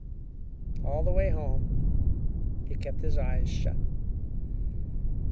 All the way home he kept his eyes shut.